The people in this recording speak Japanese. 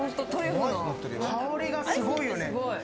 香りがすごいよね。